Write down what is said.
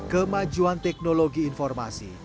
kemajuan teknologi informasi